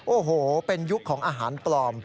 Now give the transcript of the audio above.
โอ้โหเป็นยุคของอาหารปลอม